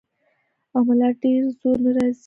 او ملا ډېر زور نۀ راځي -